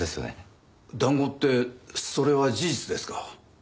談合ってそれは事実ですか？